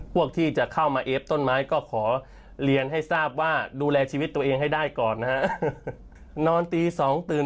พวกที่จะเข้าให้เย็บต้นไม้ก็ขอเรียนให้ทราบว่าดูแลชีวิตตัวเองให้ได้ก่อนครับ